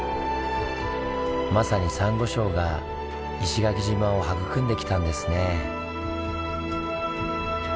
まさにサンゴ礁が石垣島を育んできたんですね。